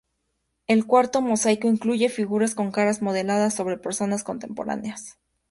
El cuarto mosaico incluye figuras con caras modeladas sobre personas contemporáneas.